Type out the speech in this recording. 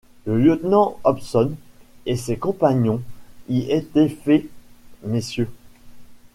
Le lieutenant Hobson et ses compagnons y étaient faits, Mrs.